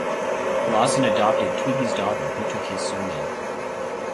Lawson adopted Twiggy's daughter, who took his surname.